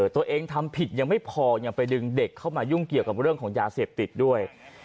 ตัวเองทำผิดยังไม่พอยังไปดึงเด็กเข้ามายุ่งเกี่ยวกับเรื่องของยาเสพติดด้วย